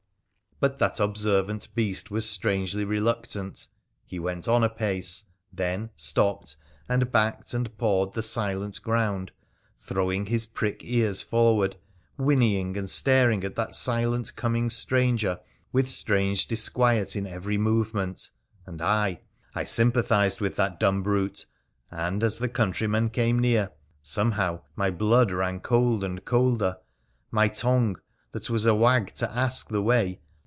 But that observant beast was strangely 3 .o WONDERFUL ADVENTURES OF reluctant : he went on a pace, then stopped and backed and pawed the silent ground, throwing his prick ears forward, whinnying, and staring at that silent coming stranger, with strange disquiet in every movement. And I — I sympathised with that dumb brute ; and, as the countryman came near, somehow my blood ran cold and colder ; my tongue, that was awag to ask the way.